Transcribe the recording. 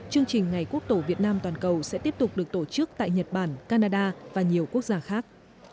chương trình ngày quốc tổ việt nam toàn cầu sẽ tiếp tục được tổ chức tại nhật bản canada và nhiều quốc gia khác